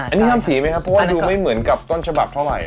อันนี้ห้ามสีไหมครับเพราะว่าดูไม่เหมือนกับต้นฉบับเท่าไหร